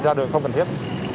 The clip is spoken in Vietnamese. ra đường không cần thiết